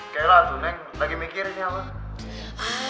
kayaknya lah tuh neng lagi mikir ini abah